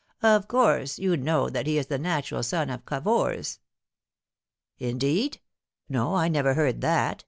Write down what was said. " Of course, you know that he is a natural son of Cavour's ?"" Indeed ! No, I never heard that.